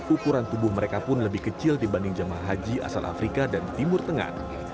ukuran tubuh mereka pun lebih kecil dibanding jemaah haji asal afrika dan timur tengah